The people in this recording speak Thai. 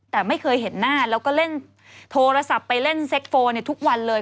แต่ไม่เคยเห็นหน้าแล้วก็เล่นโทรศัพท์ไปเล่นเซ็กโฟทุกวันเลย